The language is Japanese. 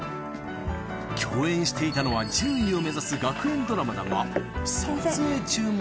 共演していたのは、獣医を目指す学園ドラマだが、撮影中も。